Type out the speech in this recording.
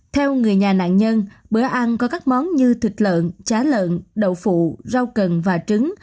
theo người nhà nạn nhân bữa ăn có các món như thịt lợn chá lợn đậu phụ rau cần và trứng